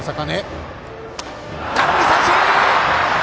空振り三振！